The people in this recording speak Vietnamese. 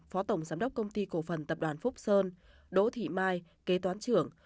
phó tổng giám đốc công ty cổ phần tập đoàn phúc sơn đỗ thị mai kế toán trưởng